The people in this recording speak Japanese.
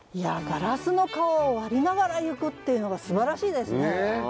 「ガラスの川を割りながらゆく」っていうのがすばらしいですね。